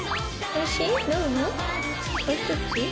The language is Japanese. おいしい？